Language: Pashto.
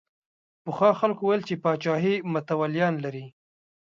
پخوا خلکو ویل چې پاچاهي متولیان لري.